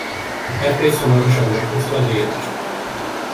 A kertész hamarosan meghozta az írást.